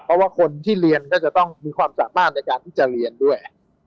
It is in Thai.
เพราะว่าคนที่เรียนก็จะต้องมีความสามารถในการที่จะเรียนด้วย